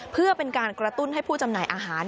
เพื่อเป็นการกระตุ้นให้ผู้จำหน่ายอาหาร